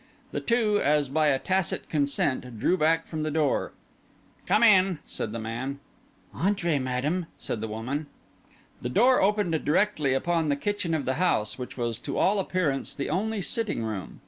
The two, as by a tacit consent, drew back from the door. "Come in," said the man. "Entrez, Madame," said the woman. The door opened directly upon the kitchen of the house, which was to all appearance the only sitting room.